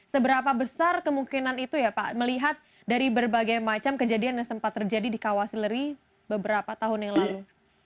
seberapa besar kemungkinan itu ya pak melihat dari berbagai macam kejadian yang sempat terjadi di kawasileri beberapa tahun yang lalu